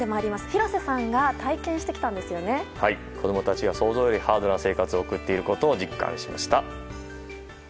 廣瀬さんが子供たちが想像よりハードな生活を送っていることを実感しました。